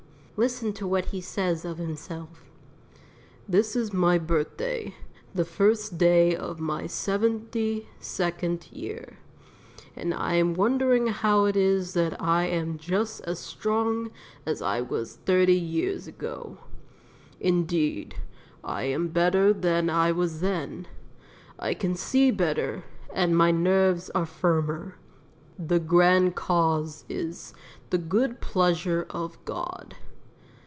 Listen to what he says of himself: "This is my birthday, the first day of my seventy second year, and I am wondering how it is that I am just as strong as I was thirty years ago. Indeed, I am better than I was then; I can see better, and my nerves are firmer. The grand cause is 'the good pleasure of God.'